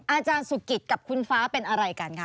อาจารย์สุกิตกับคุณฟ้าเป็นอะไรกันคะ